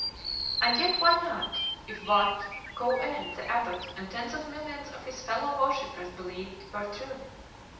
And yet, why not, if what Kou en the abbot and tens of millions of his fellow worshippers believed were true?